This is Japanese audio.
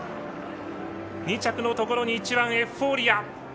２着のところに１番エフフォーリア！